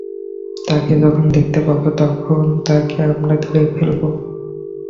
তাকে যখন দেখতে পাবো তখন তাকে আমরা ধরে ফেলবো।